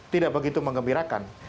tidak begitu mengembirakan